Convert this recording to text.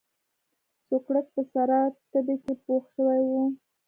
سوکړک په سره تبۍ کې پوخ شوی و.